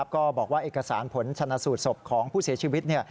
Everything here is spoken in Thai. ก็บอกว่าเอกสารผลชนะสูตรศพของผู้เสียชีวิต